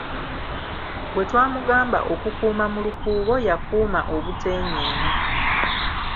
Bwe twamugamba okukuuma mu lukuubo yakuuma obutenyeenya.